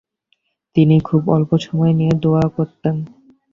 তিনি খুবই অল্প সময় নিয়ে দোয়া করতেন।